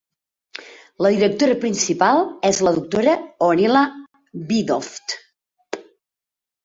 La directora principal és la doctora Oryla Wiedoeft.